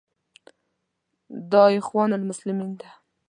دا اخوان المسلمین ده.